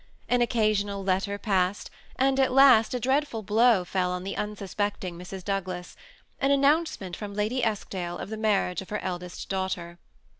An occasional letter passed, and at last a dreadful blow fell on the unsuspecting Mrs. Douglas — an announcement from Lady Eskdale of the marriage of her eldest daugh ter.